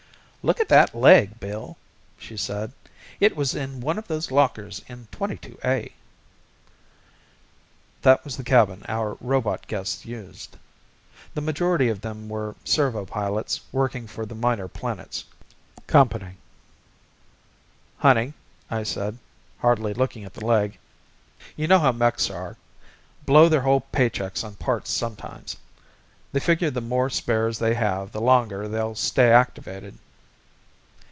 "Look at that leg, Bill," she said. "It was in one of those lockers in 22A." That was the cabin our robot guests used. The majority of them were servo pilots working for the Minor Planets Co. "Honey," I said, hardly looking at the leg, "you know how mechs are. Blow their whole paychecks on parts sometimes. They figure the more spares they have the longer they'll stay activated."